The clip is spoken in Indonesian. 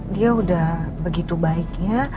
dia udah begitu baiknya